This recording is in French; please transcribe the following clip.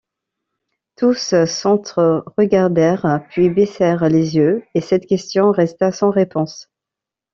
Tous s’entre-regardèrent, puis baissèrent les yeux, et cette question resta sans réponse.